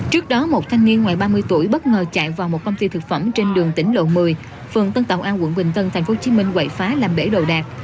trước đó một thanh niên ngoài ba mươi tuổi bất ngờ chạy vào một công ty thực phẩm trên đường tỉnh lộ một mươi phường tân tàu an quận bình tân tp hcm quậy phá